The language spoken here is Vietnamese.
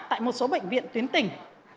tại một số bệnh viện tuyến tỉnh